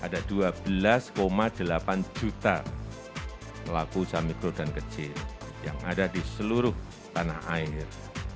ada dua belas delapan juta pelaku usaha mikro dan kecil yang ada di seluruh tanah air